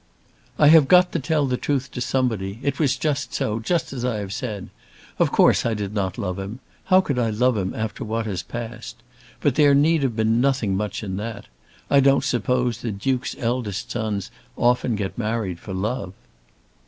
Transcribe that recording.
"I have got to tell the truth to somebody. It was so, just as I have said. Of course I did not love him. How could I love him after what has passed? But there need have been nothing much in that. I don't suppose that Dukes' eldest sons often get married for love."